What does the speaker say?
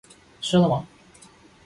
吃了吗